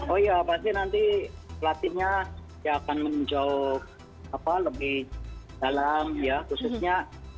oh iya pasti nanti pelatihnya akan menjawab lebih dalam ya khususnya